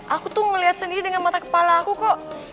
aku tuh ngeliat sendiri dengan mata kepala aku kok